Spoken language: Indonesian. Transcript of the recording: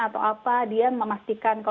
atau apa dia memastikan